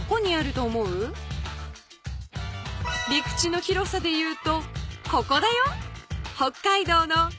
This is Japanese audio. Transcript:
りくちの広さでいうとここだよ。